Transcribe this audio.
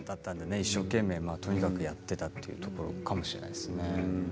一生懸命とにかくやっていたというところかもしれないですね。